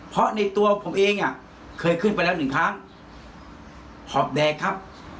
เพราะในตัวผมเองอ่ะเคยขึ้นไปแล้วหนึ่งครั้งหอบแดงครับ